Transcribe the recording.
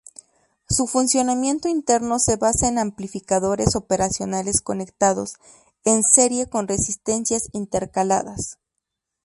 Su funcionamiento interno se basa en amplificadores operacionales conectados en serie con resistencias intercaladas.